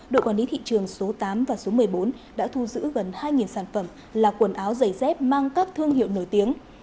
đội quản lý thị trường số tám và số một mươi bốn đã thu giữ gần hai sản phẩm là quần áo giày dép mang các thương hiệu nổi tiếng